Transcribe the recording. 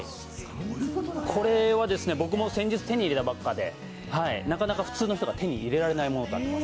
これは僕も先日手に入れたばっかりで、なかなか普通の人は手に入れられないものです。